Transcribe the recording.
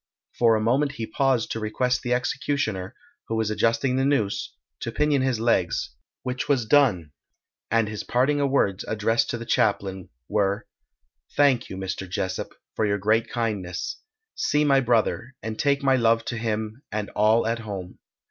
For a moment he paused to request the exeeutioner, who was adjusting the noose, to pinion his legs, which was done; and his parting words addressed to the chaplain were, "Thank you, Mr. Jessop, for your great kindness; see my brother, and take my love to him and all at home."